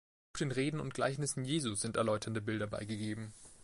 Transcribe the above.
Auch den Reden und Gleichnissen Jesu sind erläuternde Bilder beigegeben.